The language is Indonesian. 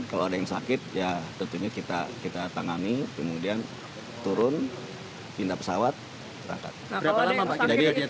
kalau ada yang sakit ya tentunya kita tangani kemudian turun pindah pesawat terangkat